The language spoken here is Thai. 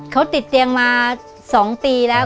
เขาติดเตียงมา๒ปีแล้ว